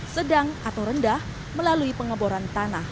sedang atau rendah melalui pengeboran tanah